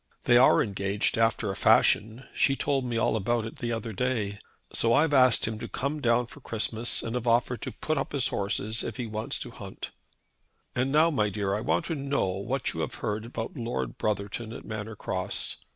They are engaged after a fashion. She told me all about it the other day. So I've asked him to come down for Christmas, and have offered to put up his horses if he wants to hunt. "And now, my dear, I want to know what you have heard about Lord Brotherton at Manor Cross.